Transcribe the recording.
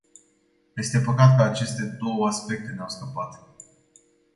Este păcat că aceste două aspecte ne-au scăpat.